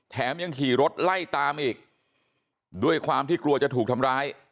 ยังขี่รถไล่ตามอีกด้วยความที่กลัวจะถูกทำร้าย